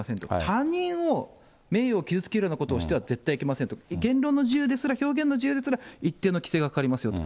他人を名誉を傷つけるようなことをしては絶対いけませんと、言論の自由ですら、表現の自由ですら、一定の規制がかかりますよと。